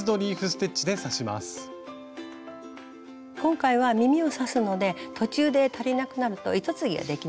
今回は耳を刺すので途中で足りなくなると糸継ぎができないんですね。